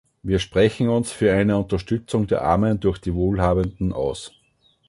Wir sprechen uns für eine Unterstützung der Armen durch die Wohlhabenden aus.